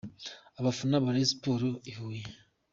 Abafana ba Rayon Sports i Huye .